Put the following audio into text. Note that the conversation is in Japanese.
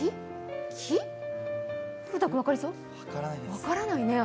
分からないです。